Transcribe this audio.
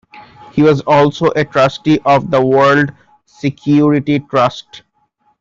He was also a trustee of the World Security Trust.